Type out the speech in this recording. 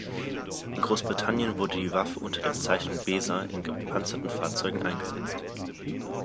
In Großbritannien wurde die Waffe unter der Bezeichnung Besa in gepanzerten Fahrzeugen eingesetzt.